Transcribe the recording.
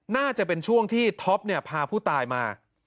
น่าจะเป็นช่วงที่ท็อปพาผู้ตายมา